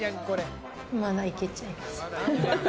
まだ行けちゃいます。